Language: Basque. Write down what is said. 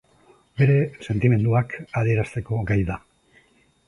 Bere sentimenduak adierazteko gai da.